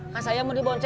kan saya mau ke jakarta